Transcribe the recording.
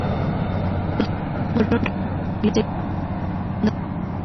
Los tres últimos equipos fueron relegados a la Segunda División para la temporada siguiente.